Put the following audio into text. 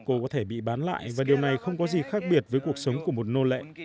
cô có thể bị bán lại và điều này không có gì khác biệt với cuộc sống của một nô lệ